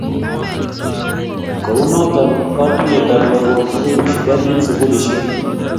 kounoto katuyet ap lakok koibu shidet eng sukulisiek